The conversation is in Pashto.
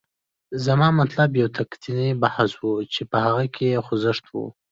زما مطلب یو تکتیکي بحث و، چې په هغه کې یو خوځښت وي.